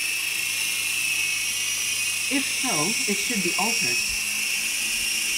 If so it should be altered.